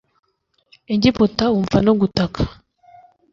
Egiputa wumva no gutaka